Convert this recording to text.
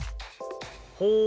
ほう！